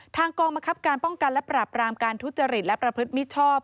ทางกองบังคับการป้องกันและปราบรามการทุจริตและประพฤติมิชชอบ